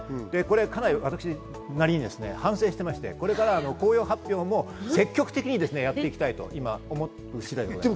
かなり私なりに反省してまして、これからは紅葉発表も積極的にやっていきたいと、今思っている次第でございます。